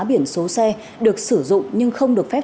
biển số xe được sử dụng nhưng không được phép